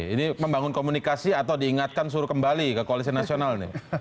ini membangun komunikasi atau diingatkan suruh kembali ke koalisi nasional nih